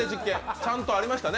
ちゃんとありましたね。